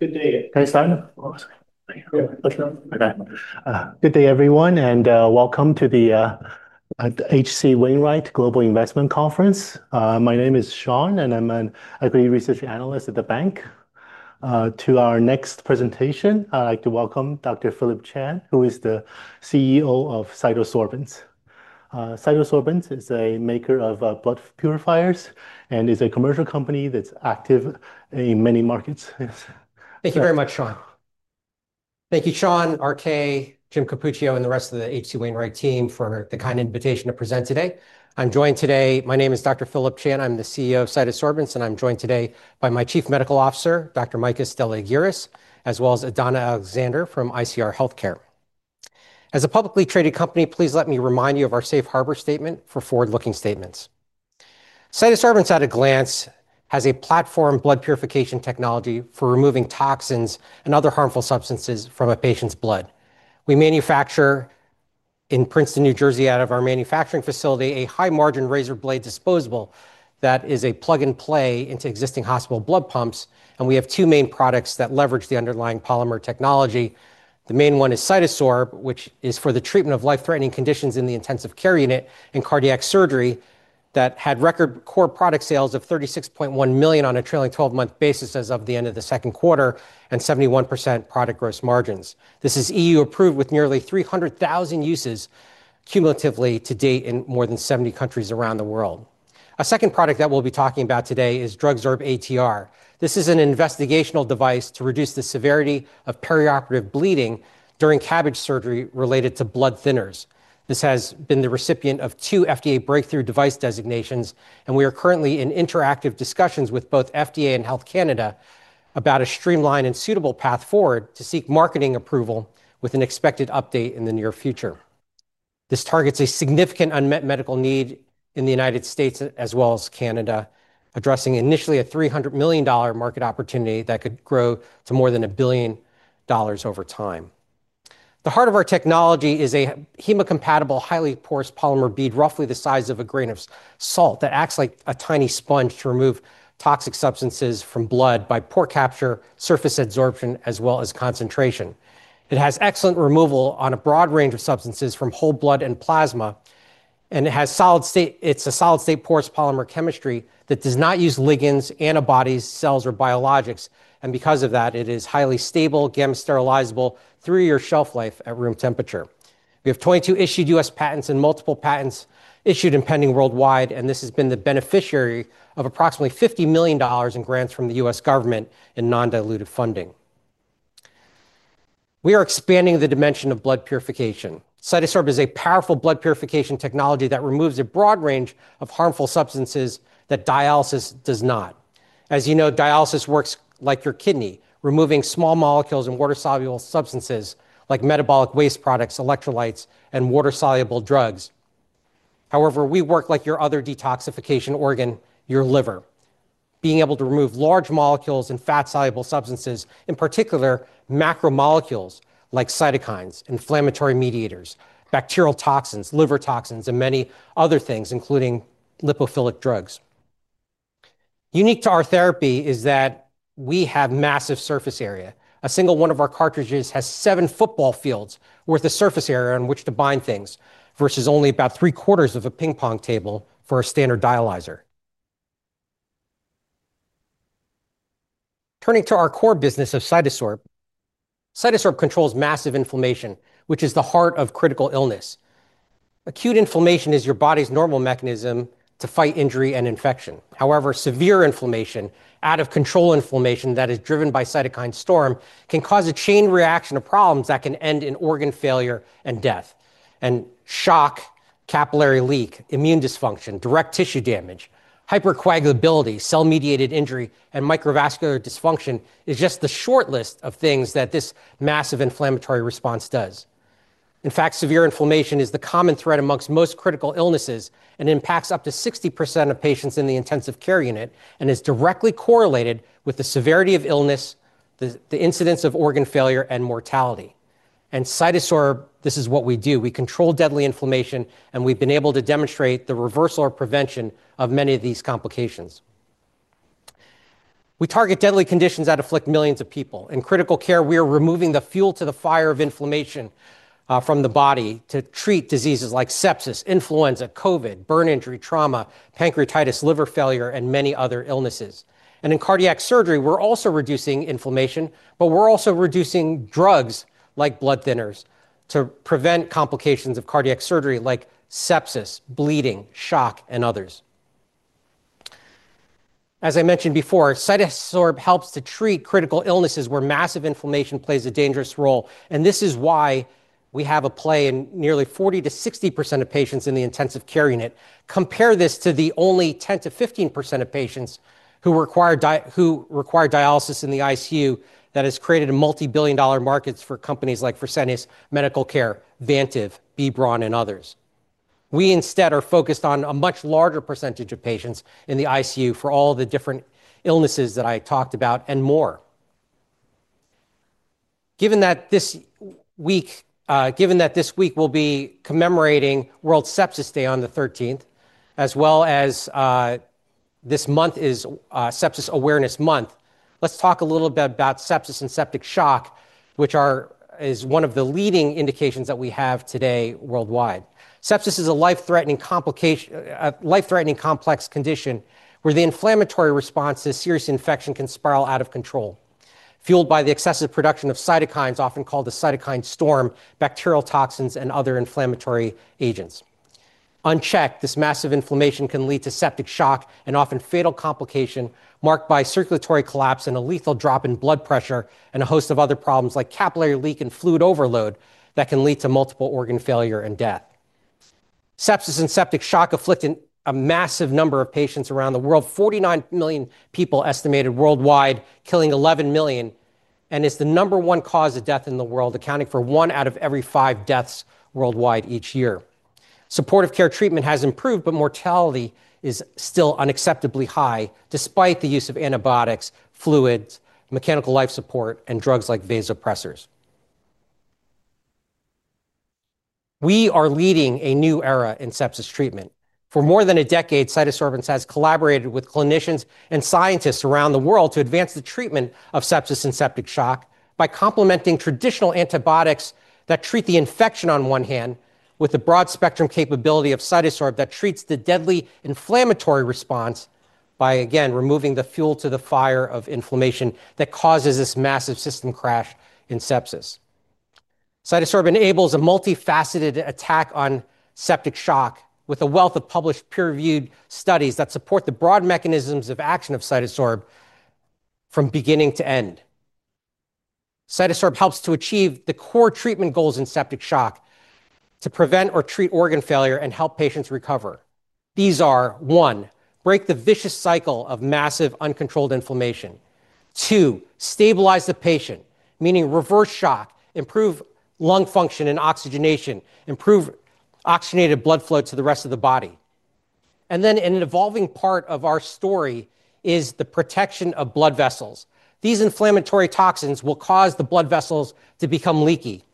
Good day. Can I start? Okay. Let's go. All right. Good day, everyone, and welcome to the H.C. Wainwright Global Investment Conference. My name is Sean, and I'm an Agri Research Analyst at the bank. For our next presentation, I'd like to welcome Dr. Phillip Chan, who is the CEO of CytoSorbents Corporation. CytoSorbents Corporation is a maker of blood purifiers and is a commercial company that's active in many markets. Thank you very much, Sean. Thank you, Sean, RK, Jim Cappuccio, and the rest of the H.C. Wainwright team for the kind invitation to present today. My name is Dr. Phillip Chan. I'm the CEO of CytoSorbents Corporation, and I'm joined today by my Chief Medical Officer, Dr. Efthymios Deliargyris, as well as Adanna Alexander from ICR Healthcare. As a publicly traded company, please let me remind you of our safe harbor statement for forward-looking statements. CytoSorbents, at a glance, has a platform blood purification technology for removing toxins and other harmful substances from a patient's blood. We manufacture in Princeton, New Jersey, out of our manufacturing facility, a high-margin razor blade disposable that is a plug-and-play into existing hospital blood pumps, and we have two main products that leverage the underlying polymer technology. The main one is CytoSorb, which is for the treatment of life-threatening conditions in the intensive care unit and cardiac surgery that had record core product sales of $36.1 million on a trailing 12-month basis as of the end of the second quarter and 71% product gross margins. This is CE-marked with nearly 300,000 uses cumulatively to date in more than 70 countries around the world. A second product that we'll be talking about today is DrugSorb-ATR. This is an investigational device to reduce the severity of perioperative bleeding during CABG surgery related to blood thinners. This has been the recipient of two FDA Breakthrough Device designations, and we are currently in interactive discussions with both FDA and Health Canada about a streamlined and suitable path forward to seek marketing approval with an expected update in the near future. This targets a significant unmet medical need in the U.S. as well as Canada, addressing initially a $300 million market opportunity that could grow to more than a billion dollars over time. The heart of our technology is a hemocompatible, highly porous polymer bead, roughly the size of a grain of salt, that acts like a tiny sponge to remove toxic substances from blood by pore capture, surface adsorption, as well as concentration. It has excellent removal on a broad range of substances from whole blood and plasma, and it has solid state. It's a solid state porous polymer chemistry that does not use ligands, antibodies, cells, or biologics, and because of that, it is highly stable, gamma sterilizable, three-year shelf life at room temperature. We have 22 issued U.S. patents and multiple patents issued and pending worldwide, and this has been the beneficiary of approximately $50 million in grants from the U.S. government in non-diluted funding. We are expanding the dimension of blood purification. CytoSorb is a powerful blood purification technology that removes a broad range of harmful substances that dialysis does not. As you know, dialysis works like your kidney, removing small molecules and water-soluble substances like metabolic waste products, electrolytes, and water-soluble drugs. However, we work like your other detoxification organ, your liver, being able to remove large molecules and fat-soluble substances, in particular macromolecules like cytokines, inflammatory mediators, bacterial toxins, liver toxins, and many other things, including lipophilic drugs. Unique to our therapy is that we have massive surface area. A single one of our cartridges has seven football fields' worth of surface area on which to bind things versus only about three-quarters of a ping-pong table for a standard dialyzer. Turning to our core business of CytoSorb, CytoSorb controls massive inflammation, which is the heart of critical illness. Acute inflammation is your body's normal mechanism to fight injury and infection. However, severe inflammation, out of control inflammation that is driven by cytokine storm, can cause a chain reaction of problems that can end in organ failure and death. Shock, capillary leak, immune dysfunction, direct tissue damage, hypercoagulability, cell-mediated injury, and microvascular dysfunction is just the shortlist of things that this massive inflammatory response does. In fact, severe inflammation is the common threat amongst most critical illnesses and impacts up to 60% of patients in the intensive care unit and is directly correlated with the severity of illness, the incidence of organ failure, and mortality. CytoSorb, this is what we do. We control deadly inflammation, and we've been able to demonstrate the reversal or prevention of many of these complications. We target deadly conditions that afflict millions of people. In critical care, we are removing the fuel to the fire of inflammation from the body to treat diseases like sepsis, influenza, COVID, burn injury, trauma, pancreatitis, liver failure, and many other illnesses. In cardiac surgery, we're also reducing inflammation, but we're also reducing drugs like blood thinners to prevent complications of cardiac surgery like sepsis, bleeding, shock, and others. As I mentioned before, CytoSorb helps to treat critical illnesses where massive inflammation plays a dangerous role, and this is why we have a play in nearly 40% to 60% of patients in the intensive care unit. Compare this to the only 10% to 15% of patients who require dialysis in the ICU that has created a multi-billion dollar market for companies like Fresenius Medical Care, Bantiv, B. Braun, and others. We instead are focused on a much larger percentage of patients in the ICU for all the different illnesses that I talked about and more. Given that this week will be commemorating World Sepsis Day on the 13th, as well as this month is Sepsis Awareness Month, let's talk a little bit about sepsis and septic shock, which is one of the leading indications that we have today worldwide. Sepsis is a life-threatening complex condition where the inflammatory response to serious infection can spiral out of control, fueled by the excessive production of cytokines, often called the cytokine storm, bacterial toxins, and other inflammatory agents. Unchecked, this massive inflammation can lead to septic shock, an often fatal complication marked by circulatory collapse, a lethal drop in blood pressure, and a host of other problems like capillary leak and fluid overload that can lead to multiple organ failure and death. Sepsis and septic shock afflict a massive number of patients around the world. 49 million people estimated worldwide, killing 11 million, and is the number one cause of death in the world, accounting for one out of every five deaths worldwide each year. Supportive care treatment has improved, but mortality is still unacceptably high despite the use of antibiotics, fluids, mechanical life support, and drugs like vasopressors. We are leading a new era in sepsis treatment. For more than a decade, CytoSorbents has collaborated with clinicians and scientists around the world to advance the treatment of sepsis and septic shock by complementing traditional antibiotics that treat the infection on one hand with the broad spectrum capability of CytoSorb that treats the deadly inflammatory response by, again, removing the fuel to the fire of inflammation that causes this massive system crash in sepsis. CytoSorb enables a multifaceted attack on septic shock with a wealth of published peer-reviewed studies that support the broad mechanisms of action of CytoSorb from beginning to end. CytoSorb helps to achieve the core treatment goals in septic shock to prevent or treat organ failure and help patients recover. These are: one, break the vicious cycle of massive uncontrolled inflammation; two, stabilize the patient, meaning reverse shock, improve lung function and oxygenation, improve oxygenated blood flow to the rest of the body. An evolving part of our story is the protection of blood vessels. These inflammatory toxins will cause the blood vessels to become leaky,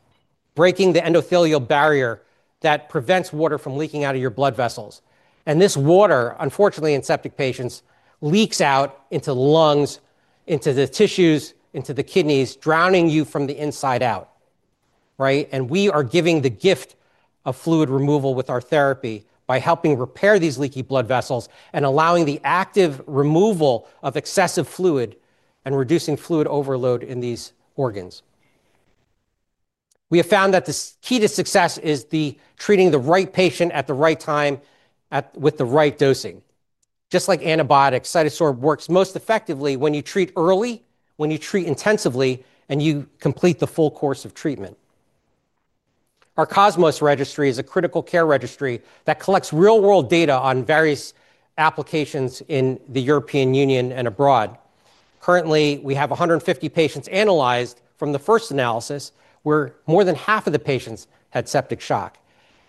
breaking the endothelial barrier that prevents water from leaking out of your blood vessels. This water, unfortunately, in septic patients leaks out into the lungs, into the tissues, into the kidneys, drowning you from the inside out. We are giving the gift of fluid removal with our therapy by helping repair these leaky blood vessels and allowing the active removal of excessive fluid and reducing fluid overload in these organs. We have found that the key to success is treating the right patient at the right time with the right dosing. Just like antibiotics, CytoSorb works most effectively when you treat early, when you treat intensively, and you complete the full course of treatment. Our COSMOS Registry is a critical care registry that collects real-world data on various applications in the European Union and abroad. Currently, we have 150 patients analyzed from the first analysis, where more than half of the patients had septic shock.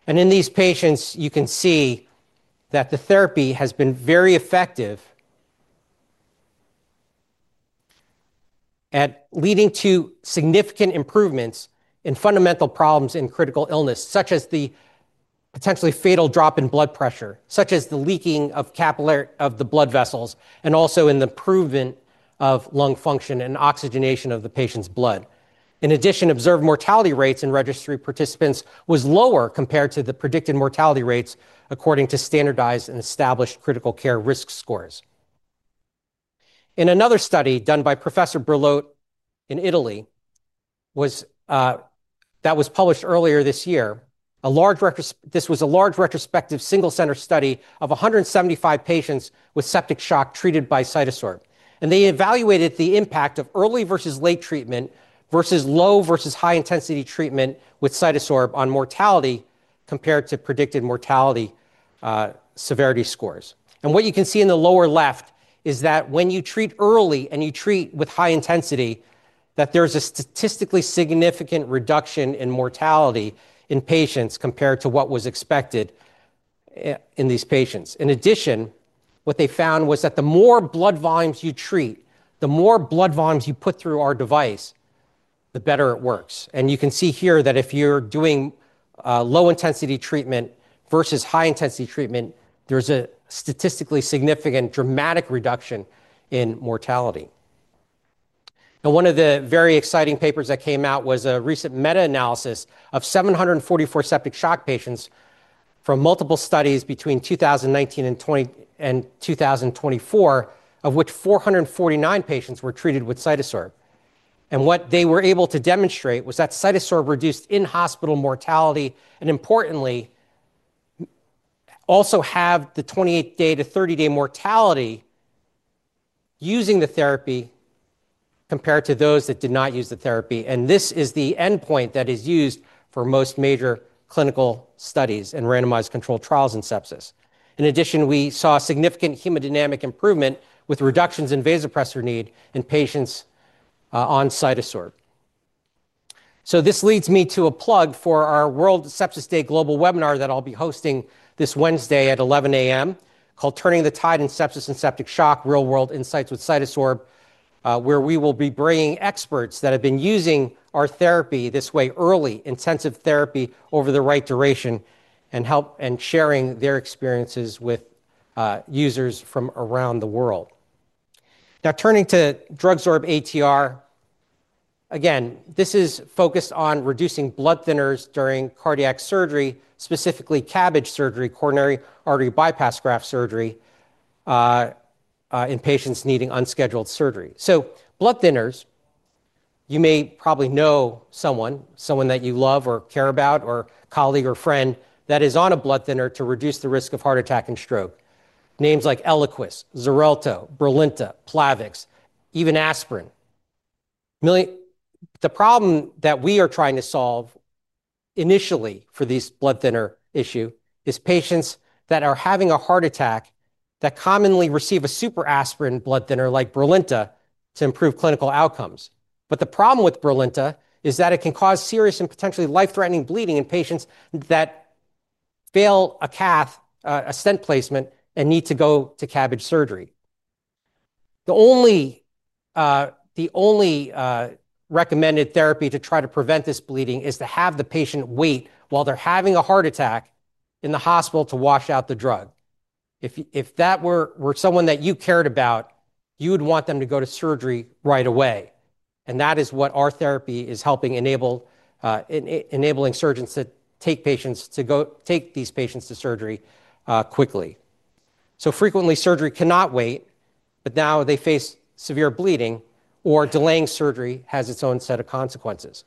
In these patients, you can see that the therapy has been very effective at leading to significant improvements in fundamental problems in critical illness, such as the potentially fatal drop in blood pressure, such as the leaking of the blood vessels, and also in the improvement of lung function and oxygenation of the patient's blood. In addition, observed mortality rates in registry participants were lower compared to the predicted mortality rates according to standardized and established critical care risk scores. In another study done by Professor Berlot in Italy that was published earlier this year, this was a large retrospective single-center study of 175 patients with septic shock treated by CytoSorb, and they evaluated the impact of early versus late treatment versus low versus high-intensity treatment with CytoSorb on mortality compared to predicted mortality severity scores. What you can see in the lower left is that when you treat early and you treat with high intensity, there's a statistically significant reduction in mortality in patients compared to what was expected in these patients. In addition, what they found was that the more blood volumes you treat, the more blood volumes you put through our device, the better it works. You can see here that if you're doing low-intensity treatment versus high-intensity treatment, there's a statistically significant dramatic reduction in mortality. One of the very exciting papers that came out was a recent meta-analysis of 744 septic shock patients from multiple studies between 2019 and 2024, of which 449 patients were treated with CytoSorb. What they were able to demonstrate was that CytoSorb reduced in-hospital mortality and, importantly, also have the 28-day to 30-day mortality using the therapy compared to those that did not use the therapy. This is the endpoint that is used for most major clinical studies and randomized controlled trials in sepsis. In addition, we saw significant hemodynamic improvement with reductions in vasopressor need in patients on CytoSorb. This leads me to a plug for our World Sepsis Day Global Webinar that I'll be hosting this Wednesday at 11:00 A.M. called Turning the Tide in Sepsis and Septic Shock: Real-World Insights with CytoSorb, where we will be bringing experts that have been using our therapy this way, early intensive therapy over the right duration, and sharing their experiences with users from around the world. Now, turning to DrugSorb-ATR, again, this is focused on reducing blood thinners during cardiac surgery, specifically CABG surgery, coronary artery bypass graft surgery in patients needing unscheduled surgery. Blood thinners, you may probably know someone, someone that you love or care about, or a colleague or friend that is on a blood thinner to reduce the risk of heart attack and stroke. Names like Eliquis, Xarelto, Brilinta, Plavix, even aspirin. The problem that we are trying to solve initially for this blood thinner issue is patients that are having a heart attack that commonly receive a super aspirin blood thinner like Brilinta to improve clinical outcomes. The problem with Brilinta is that it can cause serious and potentially life-threatening bleeding in patients that fail a cath, a stent placement, and need to go to CABG surgery. The only recommended therapy to try to prevent this bleeding is to have the patient wait while they're having a heart attack in the hospital to wash out the drug. If that were someone that you cared about, you would want them to go to surgery right away. That is what our therapy is helping, enabling surgeons to take these patients to surgery quickly. Frequently, surgery cannot wait, but now they face severe bleeding or delaying surgery has its own set of consequences.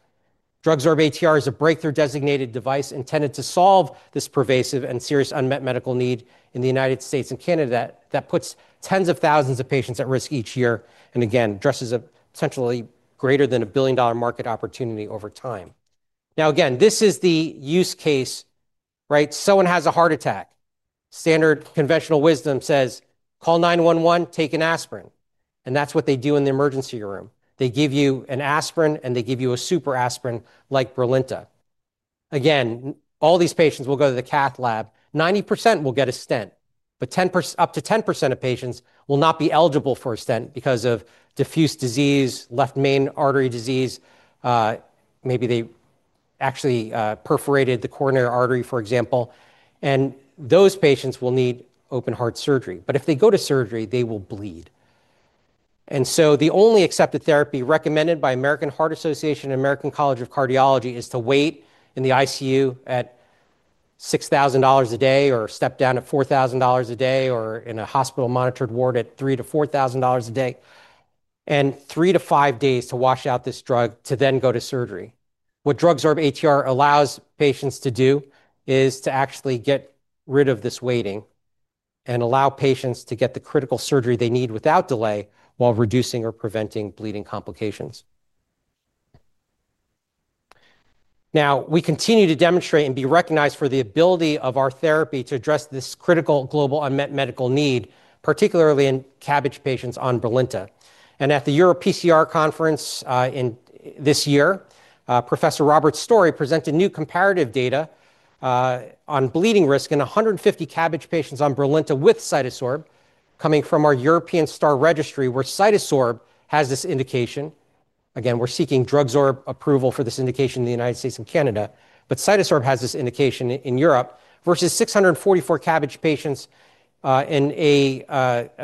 DrugSorb-ATR is a breakthrough designated device intended to solve this pervasive and serious unmet medical need in the U.S. and Canada that puts tens of thousands of patients at risk each year and, again, addresses a potentially greater than a billion dollar market opportunity over time. Now, again, this is the use case. Someone has a heart attack. Standard conventional wisdom says, "Call 911, take an aspirin," and that's what they do in the emergency room. They give you an aspirin, and they give you a super aspirin like Brilinta. Again, all these patients will go to the cath lab. 90% will get a stent, but up to 10% of patients will not be eligible for a stent because of diffuse disease, left main artery disease, maybe they actually perforated the coronary artery, for example. Those patients will need open heart surgery, but if they go to surgery, they will bleed. The only accepted therapy recommended by American Heart Association and American College of Cardiology is to wait in the ICU at $6,000 a day or step down at $4,000 a day or in a hospital monitored ward at $3,000 to $4,000 a day and three to five days to wash out this drug to then go to surgery. What DrugSorb-ATR allows patients to do is to actually get rid of this waiting and allow patients to get the critical surgery they need without delay while reducing or preventing bleeding complications. We continue to demonstrate and be recognized for the ability of our therapy to address this critical global unmet medical need, particularly in CABG patients on Brilinta. At the Europe PCR Conference this year, Professor Robert Storey presented new comparative data on bleeding risk in 150 CABG patients on Brilinta with CytoSorb coming from our European STAR Registry, where CytoSorb has this indication. Again, we're seeking DrugSorb-ATR approval for this indication in the U.S. and Canada, but CytoSorb has this indication in Europe versus 644 CABG patients in a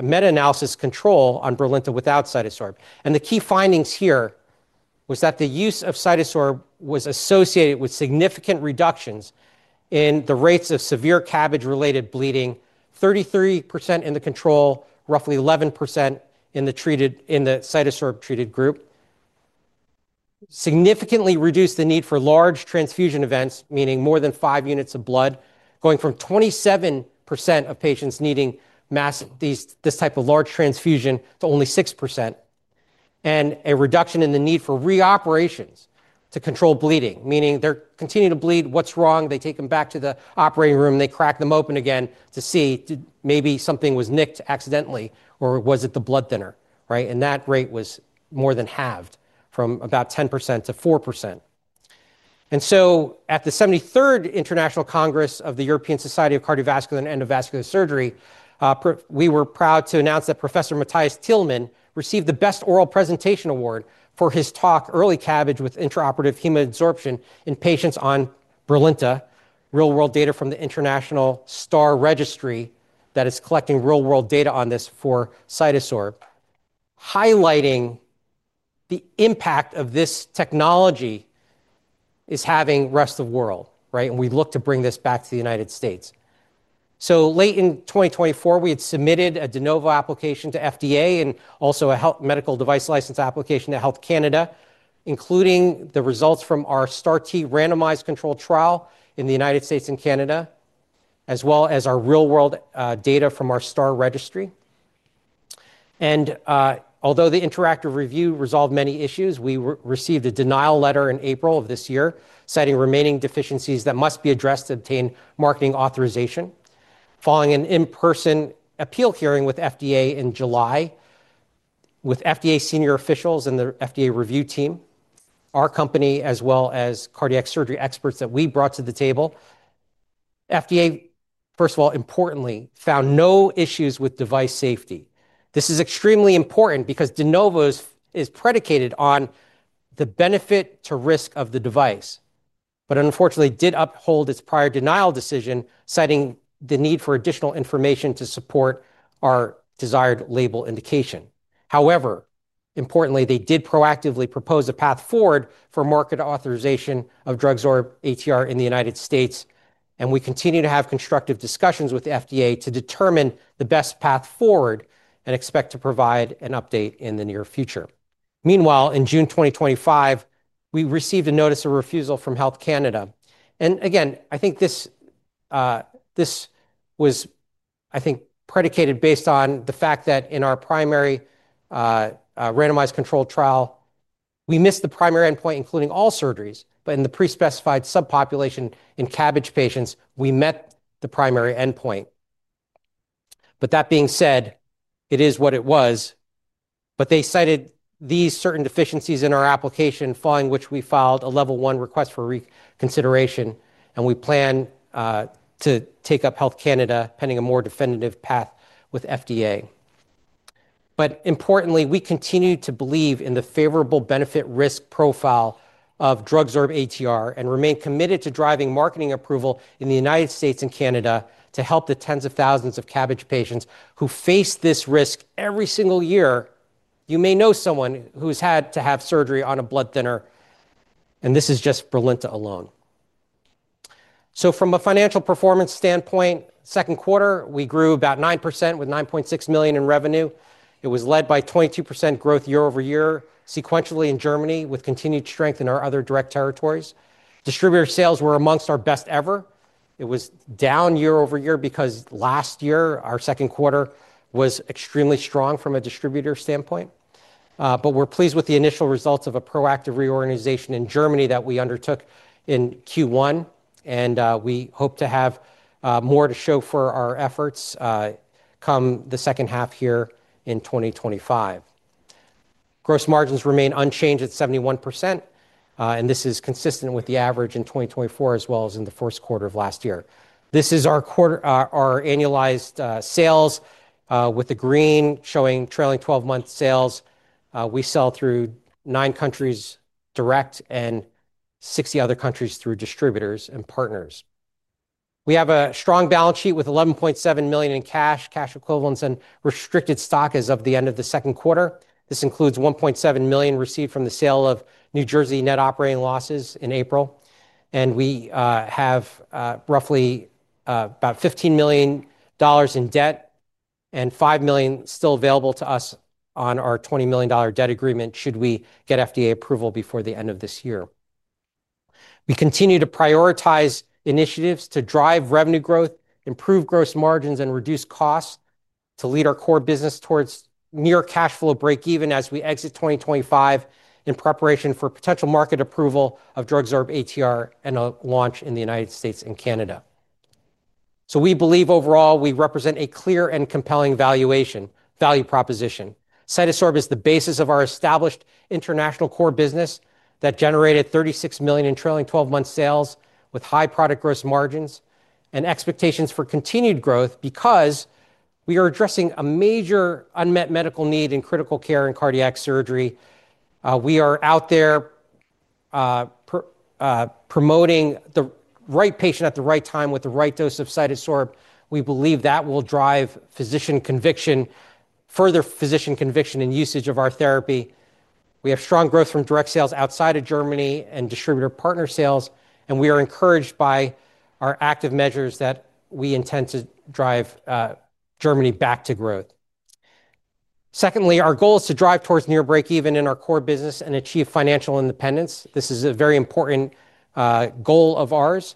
meta-analysis control on Brilinta without CytoSorb. The key findings here were that the use of CytoSorb was associated with significant reductions in the rates of severe CABG-related bleeding, 33% in the control, roughly 11% in the CytoSorb treated group. It significantly reduced the need for large transfusion events, meaning more than five units of blood, going from 27% of patients needing this type of large transfusion to only 6%, and a reduction in the need for reoperations to control bleeding, meaning they're continuing to bleed. What's wrong? They take them back to the operating room, they crack them open again to see maybe something was nicked accidentally or was it the blood thinner. That rate was more than halved from about 10% to 4%. At the 73rd International Congress of the European Society of Cardiovascular and Endovascular Surgery, we were proud to announce that Professor Matthias Tillmann received the Best Oral Presentation Award for his talk, "Early CABG with Intraoperative Hemoadsorption in Patients on Brilinta: Real-World Data from the International STAR Registry" that is collecting real-world data on this for CytoSorb, highlighting the impact this technology is having in the rest of the world, and we look to bring this back to the U.S. Late in 2024, we had submitted a de novo application to FDA and also a health medical device license application to Health Canada, including the results from our START randomized control trial in the U.S. and Canada, as well as our real-world data from our STAR Registry. Although the interactive review resolved many issues, we received a denial letter in April of this year citing remaining deficiencies that must be addressed to obtain marketing authorization, following an in-person appeal hearing with FDA in July with FDA senior officials and the FDA review team, our company, as well as cardiac surgery experts that we brought to the table. FDA, first of all, importantly, found no issues with device safety. This is extremely important because de novo is predicated on the benefit to risk of the device, but unfortunately, it did uphold its prior denial decision, citing the need for additional information to support our desired label indication. However, importantly, they did proactively propose a path forward for market authorization of DrugSorb-ATR in the U.S., and we continue to have constructive discussions with the FDA to determine the best path forward and expect to provide an update in the near future. Meanwhile, in June 2025, we received a notice of refusal from Health Canada. I think this was predicated based on the fact that in our primary randomized control trial, we missed the primary endpoint, including all surgeries, but in the pre-specified subpopulation in CABG patients, we met the primary endpoint. That being said, it is what it was, but they cited these certain deficiencies in our application, following which we filed a level one request for reconsideration, and we plan to take up Health Canada pending a more definitive path with FDA. Importantly, we continue to believe in the favorable benefit risk profile of DrugSorb-ATR and remain committed to driving marketing approval in the U.S. and Canada to help the tens of thousands of CABG patients who face this risk every single year. You may know someone who's had to have surgery on a blood thinner, and this is just Brilinta alone. From a financial performance standpoint, second quarter, we grew about 9% with $9.6 million in revenue. It was led by 22% growth year over year, sequentially in Germany with continued strength in our other direct territories. Distributor sales were amongst our best ever. It was down year over year because last year, our second quarter was extremely strong from a distributor standpoint, but we're pleased with the initial results of a proactive reorganization in Germany that we undertook in Q1, and we hope to have more to show for our efforts come the second half here in 2025. Gross margins remain unchanged at 71%, and this is consistent with the average in 2024 as well as in the first quarter of last year. This is our annualized sales with the green showing trailing 12-month sales. We sell through nine countries direct and 60 other countries through distributors and partners. We have a strong balance sheet with $11.7 million in cash, cash equivalents, and restricted stock as of the end of the second quarter. This includes $1.7 million received from the sale of New Jersey net operating losses in April, and we have roughly about $15 million in debt and $5 million still available to us on our $20 million debt agreement should we get FDA approval before the end of this year. We continue to prioritize initiatives to drive revenue growth, improve gross margins, and reduce costs to lead our core business towards near cash flow break even as we exit 2025 in preparation for potential market approval of DrugSorb-ATR and a launch in the U.S. and Canada. We believe overall we represent a clear and compelling value proposition. CytoSorb is the basis of our established international core business that generated $36 million in trailing 12-month sales with high product gross margins and expectations for continued growth because we are addressing a major unmet medical need in critical care and cardiac surgery. We are out there promoting the right patient at the right time with the right dose of CytoSorb. We believe that will drive physician conviction, further physician conviction, and usage of our therapy. We have strong growth from direct sales outside of Germany and distributor partner sales, and we are encouraged by our active measures that we intend to drive Germany back to growth. Secondly, our goal is to drive towards near break even in our core business and achieve financial independence. This is a very important goal of ours.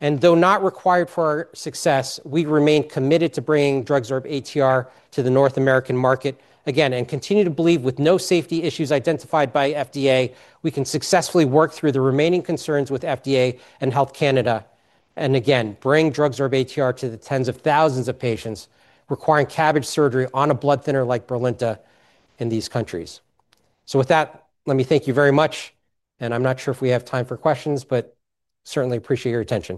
Though not required for our success, we remain committed to bringing DrugSorb-ATR to the North American market again and continue to believe with no safety issues identified by FDA, we can successfully work through the remaining concerns with FDA and Health Canada and again bring DrugSorb-ATR to the tens of thousands of patients requiring CABG surgery on a blood thinner like Brilinta in these countries. With that, let me thank you very much, and I'm not sure if we have time for questions, but certainly appreciate your attention.